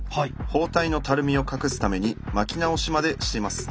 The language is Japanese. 包帯のたるみを隠すために巻き直しまでしています。